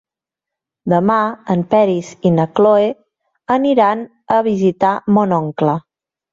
Demà en Peris i na Cloè aniran a visitar mon oncle.